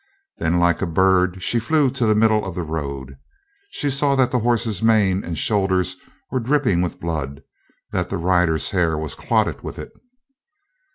Then like a bird she flew to the middle of the road. She saw that the horse's mane and shoulders were dripping with blood, that the rider's hair was clotted with it.